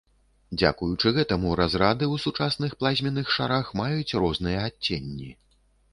Дзякуючы гэтаму разрады ў сучасных плазменных шарах маюць розныя адценні.